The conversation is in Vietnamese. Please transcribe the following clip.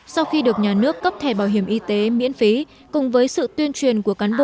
sau khi được nhà nước cấp thẻ bảo hiểm y tế miễn phí cùng với sự tuyên truyền